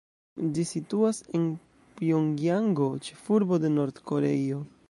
Ĝi situas en Pjongjango, ĉefurbo de Nord-Koreio.